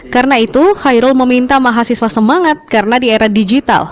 karena itu harul meminta mahasiswa semangat karena di era digital